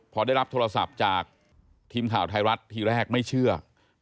พอได้รับโทรศัพท์จากทีมข่าวไทยรัฐทีแรกไม่เชื่อ